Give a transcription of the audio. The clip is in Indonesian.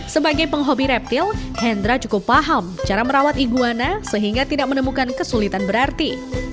sebagai penghobi reptil hendra cukup paham cara merawat iguana sehingga tidak menemukan kesulitan berarti